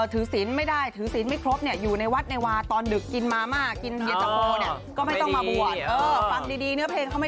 ถือศิลป์ไม่ได้ถือศิลป์ไม่ครบอยู่ในวัดในวาตอนดึกกินมาม่ากินเย็นเจ้าโพล